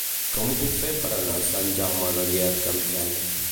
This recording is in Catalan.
Com ho puc fer per anar a Sant Jaume de Llierca amb tren?